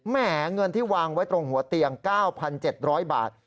แหมเงินที่วางไว้ตรงหัวเตียง๙๗๐๐บาท